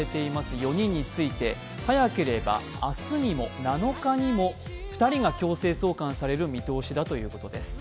４人について早ければ明日にも、７日にも２人が強制送還される見通しだということです。